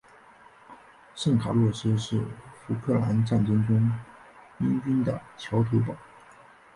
圣卡洛斯是福克兰战争中英军的桥头堡。